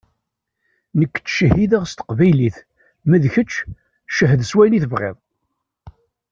Nekk ttcehhideɣ s teqbaylit, ma d kečč cehhed s wayen i tebɣiḍ.